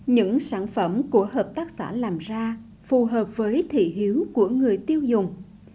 những sản phẩm của hợp tác xã làm ra phù hợp với thị hiếu của người tiêu dùng